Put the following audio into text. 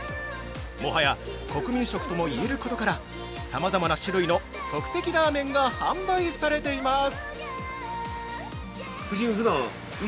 もはや国民食ともいえることからさまざまな種類の即席ラーメンが発売されています。